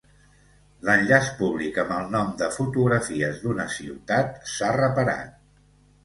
L'enllaç públic amb el nom de "Fotografies d'una ciutat" s'ha reparat.